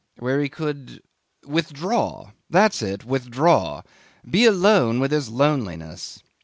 where he could withdraw. That's it! Withdraw be alone with his loneliness.